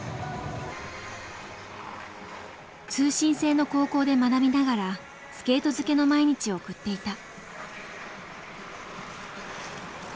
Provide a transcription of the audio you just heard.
通信制の高校で学びながらスケート漬けの毎日を送っていた。